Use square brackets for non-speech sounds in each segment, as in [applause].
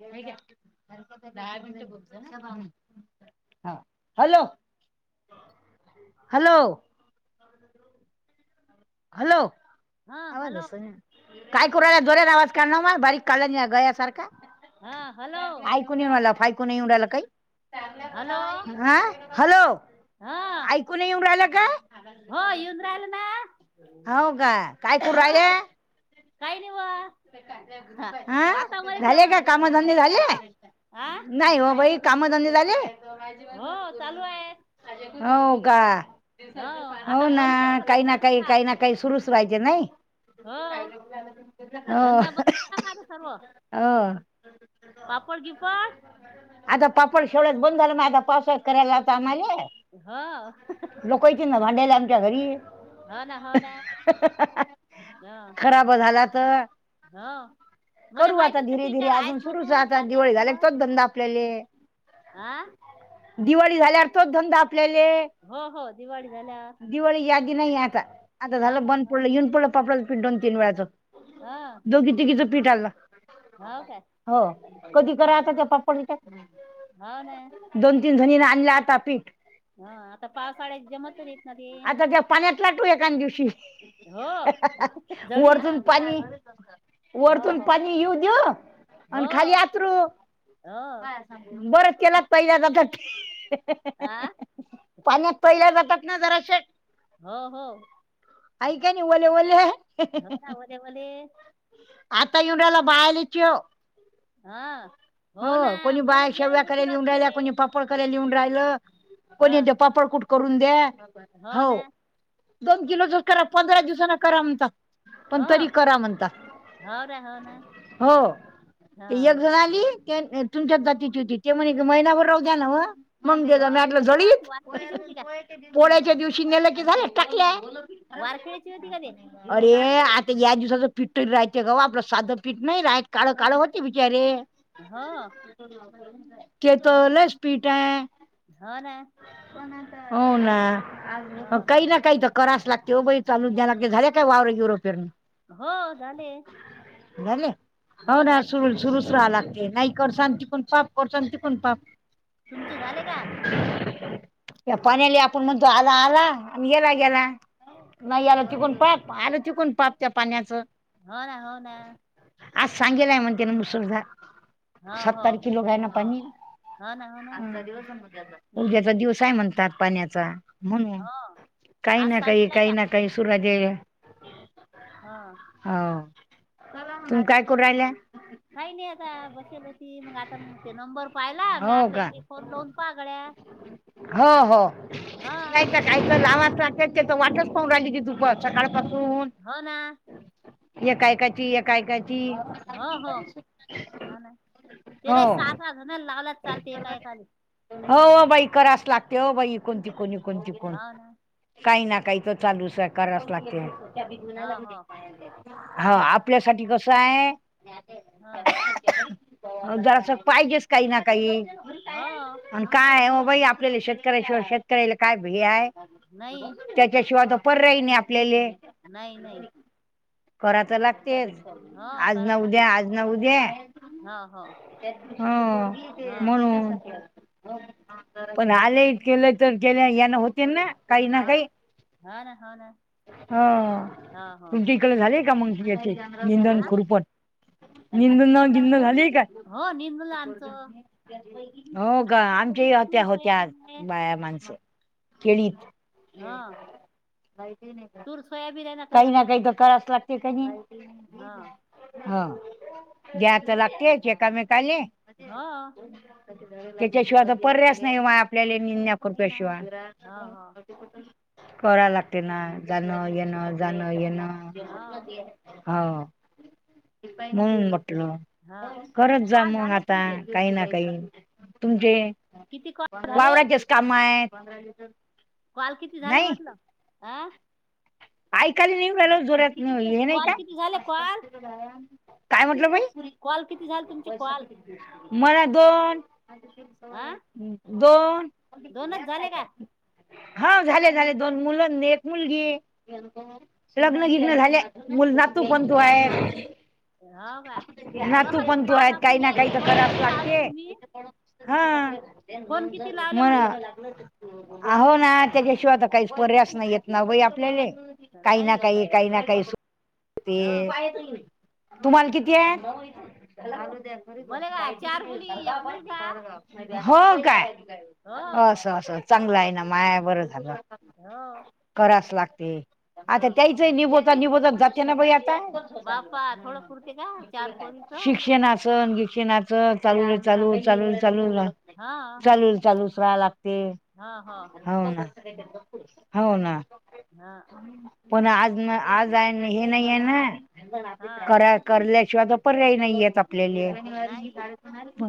हे घ्या दहा मिनट बोलतो हा [unintelligible] हाव हालो! हालो! हालो हा हॅलो आवाजच नाही. काय ऐकू [unintelligible] जोऱ्यान आवाज काढ ना माय बारीक काल्याणी गयासार हा हालो! कुणी मला फाय कुणी येऊ राहिला हॅलो कायी हा हालो आय कुणी येऊन राहिला का? व्हय येऊन राहिल ना हो का काय करू राहिले हा काय नी व्ह हा झाले का कामधंदे पाहिले झाले? आ नाही ओ बाई कामधंदे झाले? हो चालू आहे हाव का हो हाव आता ना बंद केला का काही धंदा ना काही समजा काही ना काही सुरूच पाहिजे नाही. हो धंदा बंद करणार सर्व. हाव पापड घेऊ का? आता पापड [unintelligible] बंद झालं आता पावसाळ्यात करायला आता आम्हले हं लोक येतील ना भांडायला आमच्या घरी, हो ना हो ना खरा ब झाला त हा मले माहीतच नाही धीरे तू इचावर आहेस म्हणून कार्या ॲपवर गंध आपल्याले आ दिवाळी झाल्यावर तो धंदा आपल्याले. हो हो दिवाळी झाल्यावर दिवाळी यागी नाही आता आता हो झालं ना बंद हो पडलं येऊन पडलं पापडाच पीठ दोन तीन वेळाचं हं दोघी तिघीच पीठ आलं काय हो कधी हो करा आता ते पाप्पड हो ना हित दोनतीन जणीन आणल्या आता पीठ हा आता पावसाळ्यात जमत नाहीत ना ते. आता त्या पाण्यात लाटू एकान दिवशी. हो जळीत वरतून पाणी हो वरतून हो पाणी येऊ द्यु हो आण खाली आतरू हो बरच केलात पहिल्यादा कट. आ! पाण्यात पहिल्या जातात ना जराशे हो हो! ऐकी नी ओले ओले. घव ना वले वले. आता येऊन राहिला बाया लेकीयो. हा हो ना मला लय उशीरात केले. पत्र लिहवून राहिलो हा कोणी म्हणत पापड कुट करून द्या हो. दोन किलोचच करा पंधरा दिवसाांना करा म्हणता. पण हो तरी करा म्हणता हो ना हो ना हो! हा ते एक घळ आली ते तुमच्याच जातीची होती ते म्हणे महिनाभर राहू द्या ना म. मग हो जें म कोण्या गावाची जळीत वारखेडची होती का पोळ्याच्या दिवशी नेलं की झालं टकल्या. वारखेळेची होती का ते. अरे ये आता या दिवसाचं पीठ राहतें कव्हा आपलं साधं पीठ नाही राहत काळं काळ होते बिचारे. हा! केतो लस पीट हाय. हो ना! हो हो ना हो काही ना काही तर करास लागते बाई चालू द्याला झाल्या काय वावर युरो पेरणी हो झाले! झाले हाऊ हो ना झाले सुरू सुरूच राहला. ते नाही कर शांती पण पाप अशांती पण पाप. तुमचे झाले का? या पाण्याली आपण म्हणतो आला आला आणि गेला गेला. नाही आला हो की पण पाप आलं चि पण पाप त्या पाण्याचं. हो ना हो ना! आज सांगेल हाय म्हणते ना मुसुधा. हो हो सत्तर किलो हाय ना पाणी हो ना हो ना आज नदीवरचा हम्म उद्याचा काय म्हणता पाण्याचा म्हणून हो काही आज ना काही सांगेलाय का काही ना काही सूराजे हा! हाऊ तुम्ही काय करू राहिल्या. काही नाही आता बसेल होती मग आता ते नंबर. पाहिला मी हो आपलं का इडी फोन लावून पागळ्या हो हो ह. नाही तर काय तर लावा [unintelligible] वाटच पाहून राहिली की तुप सकाळ हो ना पाासून एकायकाची एकायकाची. हो हो हा ना हो त्याला सहा सहा जण लावलात चालते एका एकादी. हो हो बाई करास लागते हो बाई कोणती कोणी कोणती कोणी. हो ना काही ना काही तो चालूच कराच लागते. हो हो हा आपल्यासाठी कस हाय? हा! जरास पाहिजेच काही ना काही. हो! आणि काय ओ बाई आपल्याला शेतकऱ्याशिवाय शेतकऱ्याला काय भेय आहे नाही त्याच्याशिवाय पर राही नाही आपल्याले. नाही नाही. करा तर लागतेच हो आज करा न उद्या लागते आज न उद्या. हो हो हो हो म्हणून. पण आलेत केलं तर केले याना होते ना. काही ना हो काही हो ना हो ना हा हो हो तुमची कडे झालेय का मंग याचे निंदन खुरपण निंदन [unintelligible] झाली का? हो निंदलं आमचं हो गा आमच्या सोयाबीन या तूर होत्या होत्या आज सोयाबीन आहे बाया मान केळीत हो तूर सोयाबीन आहे काही ना काही तर करावच लागते क नी. हा. हा द्यात लागतेच एकामेकाले. हा. त्याच्याशिवाय तर पर्यायच नाही म आपल्याले निन्या नाही खुरप्या ना शिवाय. हा हा कडा लागते ना जाणं-येणं, जाणं-येणं. हा हाव म्हणुन म्हंटल. हा करतं किती जा कॉल मग झाले आता तुमचे काही ना काही तुमचे किती कॉल झाले वावराचेस कामा आहे. कॉल किती झाले म्हटलं आं. ऐकायला नाही येऊ राहीलं जोरातन हे नाही कॉल का, किती झाले कॉल काय म्हटलं बाई? कॉल किती झाले तुमचे कॉल? मला दोन [unintelligible] आं दोन का हाव झाले झाले दोन मुलं न एक मुलगी. लग्न बिघन झाले, मुल नातू पणतू आहे. हो का नातू अह पणतू कॉल आहे आपले काही ना हे काही तर फोन करावच किती लावले तुम्ही लागते. हा फोन किती लावले मरा म्हटलं आहो ना त्याच्याशिवाय तर काहीच पर्यायच नाही येत ना बाई आपल्याले. काही ना नाही काही काही ना काही सु [inaudible] हो ते. तुम्हाला किती आहे? बोले का चार मुली एक मुलगा हो काय, हो असं असं चांगलंय ना माया बरं झालं. अयो करावच लागते, आता त्याहीचा निभवता निवभता जाते ना बाई आता. बापा थोडं पुरते का चार पोरीच हा शिक्षणाचन बिक्षना चा चालूले चालू चालूले चालू चालूला चालूच राहा लागते. हा हा. हाव ना, हाव ना. हा. पण आज नआज आहे हे नाही आहे ना, हा करया करल्याशिवाय तर पर्याय नाहीयेत आपल्याले. नाही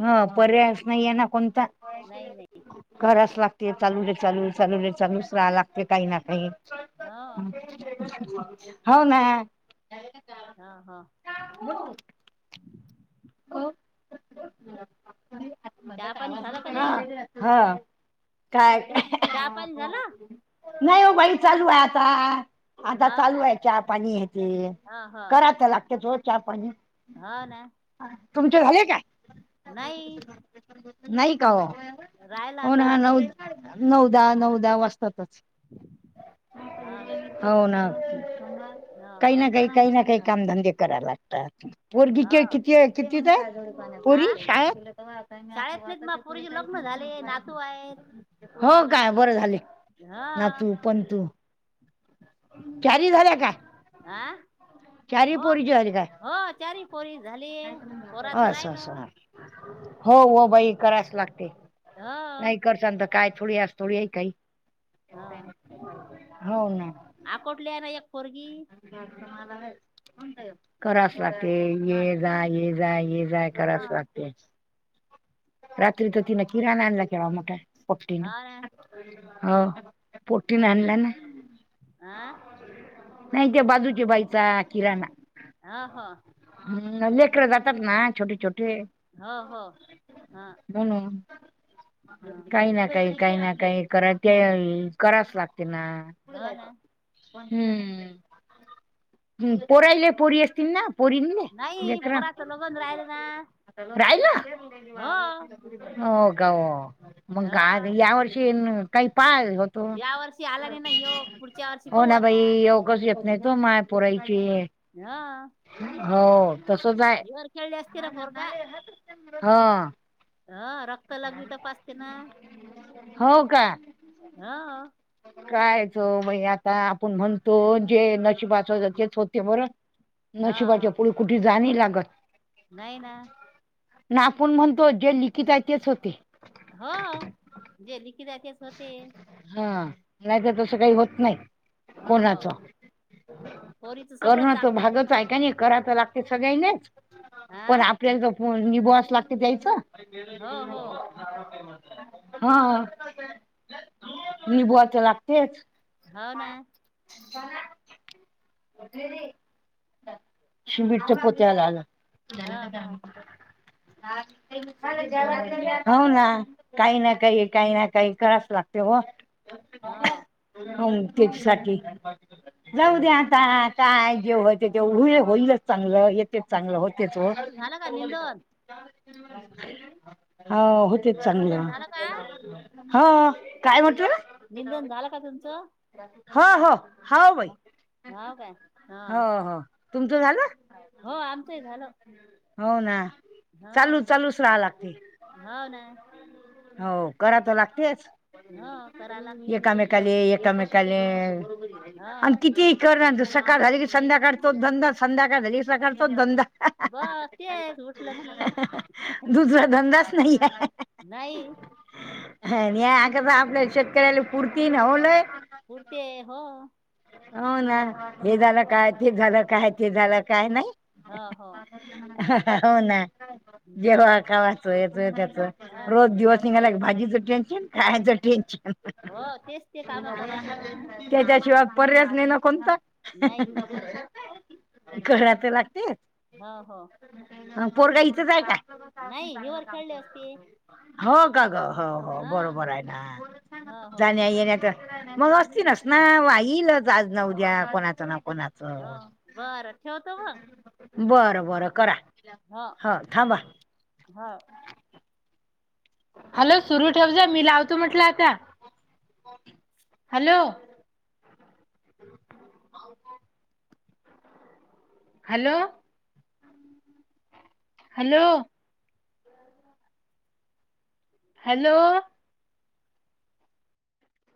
हा पर्यायच नाही आहे ना कोणता. नाही नाही कराच लागते चालू रे चालू, चालू रे चालूच राहा लागतेय काही ना काही. हो हाव ना. हा, हा. काकू, बोल, बोल. [inaudible] चहा पाणी झालं का नाही काय, चहा चहा पाणी झालं नाही वो बाई चालू हाय आता. आता हो चालू का हाय चहा पाणी हे ते, हा करावं तर लागतेच हो चहा पाणी. हा, ना. तुमचे झाले काय? नाही नाही का हो‌. राहिला हो आता ना, नऊ, नऊ दहा, नऊ दहा वाजतातच. हो ना हो ना, ह काही ना ह काही, काही ना काही, कामधंदे करा लागतात, पोरगी ह के, की कितवित ये, पोरी शाळेत? पुरीचे लग्न झाले, नातू आहेत. हो काय बरं झाले, हा नातू पणंतू चारी झाल्या का? हा चारी हो पोरीचे झाली काय? हो चारी पोरी झालीय, पोराच असं राहिल. असं. हा. हो, हो बाई करायच लागते, हो नाही करचान काय थोडी, अस थोडी आहे काही हा. हो, ना. आकोटल्या ला एक पोरगी करावच लागते, ये -जा, ये- जा, ये जाय, हा करावच लागते, रात्री तर तिने किराणा आणला केवढा मोठा. पोटीन, हा ना ह पोटीन आणला ना. आ.. नाही ते बाजूचे बाईचा किराणा. आ, हा. हम्, लेकर जातात ना छोटी -छोटी? हो, हो, हा. म्हणून, काही ना काही, काही ना काही करा ते, कराच लागते ना, हो ना हम्म हम, पोरयले पोरी असतील ना? पोरीनले नाही लेकरं, पोराचं लग्न राहिलं ना राहिल? हो हो का वो, मग का, ह या वर्षी काही काय आणलं? त, या वर्षी आला नाही ना योग पुढच्या वर्षी हो पाहू ना बाई आता योग ग, येत नाही वो, माय पोरायचीये. हा हो, तसच हाय.. खेळले असते ना पोरगा हा ह रक्त लगवी तपासते ना. हो का? हा. कायच बाई आता, आपण म्हणतो जे नशीबात वाचवतात तेच होते बर. [unintelligible] नशिबाच्या पुढ कुठे जाणी लागत. नाही ना. ना आपुण म्हणतो, जे लिखित आहे तेच होते. हो. जे लिखीत आहे [unintelligible] हा. नाही तर तसं काही होत नाही. हो हो कोणाच? पोरीचं सगळं कर्णाच चांगलं भागच ना पोरी. आहे करायला तर लागते सगळ्यांनीच. हा पण आपल्याला हो हो [unintelligible] हा. मी [unintelligible] लागतेच हो ना. [unintelligible] सिमेंटच्या पोत्याला ह ह हो ना. काही ना काही काही ना काही कराच लागते ओ. हो [unintelligible] जाऊदे आता तुमचं काय जेव [unintelligible] चांगलं येतेच चांगलं होतेच ओ. तुमचं झालं का निंदन हो. होतेच चांगले. निंदन झालं का हो. काय म्हणतो? निंदन झालं का तुमचं? हो हो. हो बाई. हो काय ह हो हो. तुमचं झालं? हो आमचंही झालं. हो ना. ह चालू चालूच राहा लागते. [unintelligible] हो. करा तर लागतेच. हो करा लागते एकामेकाले एकामेकाले हा आणि किती ही कर नाहीतर सकाळ झाली की संध्याकाळ तोच धंदा संध्याकाळ झाली क सकाळ तोच धंदा. बस तेच उठलं की. दुसरा धंदा च नाही आहे. नाही [unintelligible] आपल्या शेतकऱ्याला फुर्ती [unintelligible] फूर्ती आहे हो. हो ना. हे ह झालं काय, ते झालं काय, ते झालं काय नाही. हा हो. हो ना. हम्म, जेव्हा खावाच हेच त्याच हो ना रोज दिवस [unintelligible] भाजीचं टेन्शन, खायचं टेन्शन. हो. तेच ते कामं करा लागता. त्याच्याशिवाय पर्यायच नाही ना कोणता. नाही कराय तर लागतेच. हो हो. पोरगा इथंच आहे का? नाही हिवर खेळले असते हो [unintelligible] हो हो हा बरोबर आहे ना. हो हो जाण्यायेण्याचा. मग असती हम्म ना ना व्हाईलच आज न उद्या कोणाचं ना कोणाच. हो. बर ठेवतो ओ. बरं बरं करा. ह थांबा. हा. हॅलो सुरू ठेव जा मी लावतो म्हटलं आता. हॅलो. [inaudible] हॅलो. हॅलो. हॅलो.